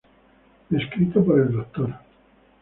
Descrito por el Dr.